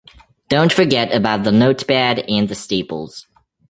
Don't forget about the notepad and the staples.